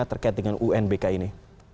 terkait dengan unbk ini